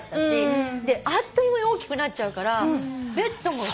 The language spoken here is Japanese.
あっという間に大きくなっちゃうからベッドも。